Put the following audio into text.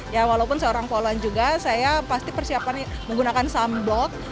ya walaupun seorang poluan juga saya pasti persiapkan menggunakan sambot